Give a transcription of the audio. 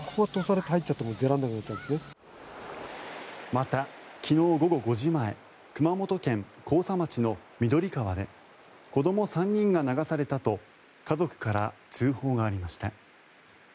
また、昨日午後５時前熊本県甲佐町の緑川で子ども３人が流されたと家族から通報がありました。